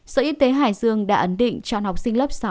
sở y tế hải dương đã ấn định cho học sinh lớp sáu